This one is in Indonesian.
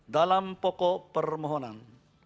dalam pokok permohonan